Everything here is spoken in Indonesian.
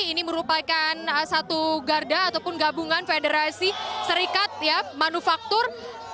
ini merupakan satu garda ataupun gabungan federasi serikat manufaktur